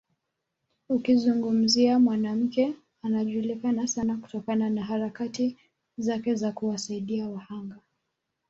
Ukizungumzia mwanamke anajulikana sana kutokana na harakati zake za kuwasaidia wahanga